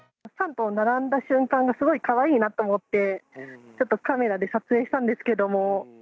３頭並んだ瞬間がすごいかわいいなと思って、ちょっとカメラで撮影したんですけども。